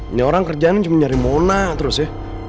ini orang kerjaan cuma nyari mona terus ya